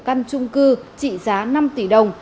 căn trung cư trị giá năm tỷ đồng